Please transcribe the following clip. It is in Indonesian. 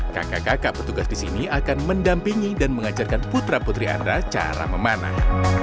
kakak kakak petugas di sini akan mendampingi dan mengajarkan putra putri anda cara memanah